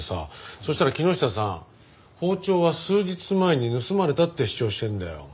そしたら木下さん包丁は数日前に盗まれたって主張してるんだよ。